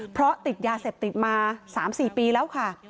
เพราะติดยาเสพติดมา๓๔ปีแล้วค่ะ